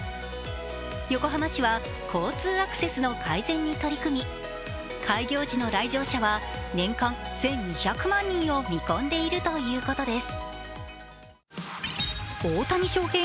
横浜市は交通アクセスの改善に取り組み開業時の来場者は年間１２００万人を見込んでいるということです。